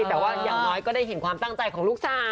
แต่ว่าอย่างน้อยก็ได้เห็นความตั้งใจของลูกสาว